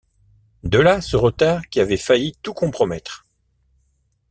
De là, ce retard qui avait failli tout compromettre.